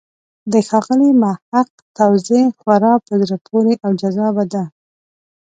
د ښاغلي محق توضیح خورا په زړه پورې او جذابه ده.